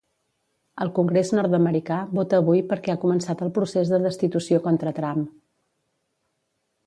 El congrés nord-americà vota avui perquè ha començat el procés de destitució contra Trump.